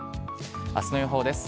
あすの予報です。